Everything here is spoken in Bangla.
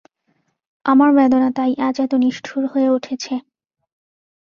আমার বেদনা তাই আজ এত নিষ্ঠুর হয়ে উঠেছে।